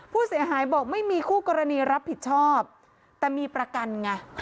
ผู้เสียหายบอกไม่มีคู่กรณีรับผิดชอบแต่มีประกันไง